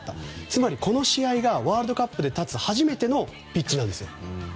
つまりこの試合がワールドカップで立つ初めてのピッチなんですよ。